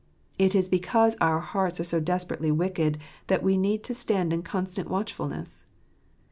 It is because our hearts are so desperately wicked that we need to stand in constant watchfulness.